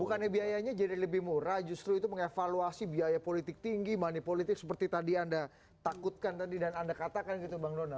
bukannya biayanya jadi lebih murah justru itu mengevaluasi biaya politik tinggi money politik seperti tadi anda takutkan tadi dan anda katakan gitu bang donald